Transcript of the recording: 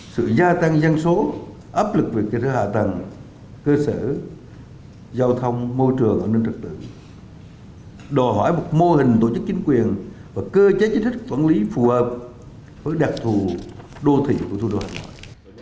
sự gia tăng dân số áp lực về cơ sở hạ tầng cơ sở giao thông môi trường an ninh trật tự đòi hỏi một mô hình tổ chức chính quyền và cơ chế chính sách quản lý phù hợp với đặc thù đô thị của thủ đô hà nội